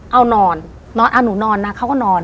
เอานอนอ่ะหนูนอนนะก็นอน